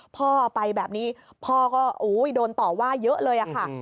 พ่อไปแบบนี้พ่อก็โดนต่อว่าเยอะเลยค่ะ